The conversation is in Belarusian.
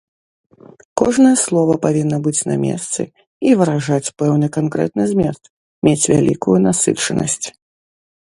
Кожнае слова павінна быць на месцы і выражаць пэўны канкрэтны змест, мець вялікую насычанасць.